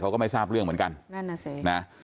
ก็ไม่ทราบเรื่องเหมือนกันนั่นน่ะสินะ